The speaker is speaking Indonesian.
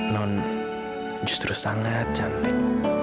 non justru sangat cantik